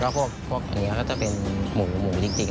แล้วก็พวกนี้ก็จะเป็นหมูหมูจริง